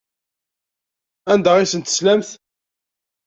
Anda ay asen-teslamt?